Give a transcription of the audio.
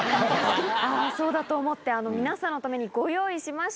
そうだと思って皆さんのためにご用意しました。